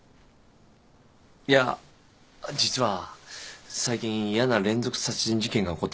いや実は最近嫌な連続殺人事件が起こってて。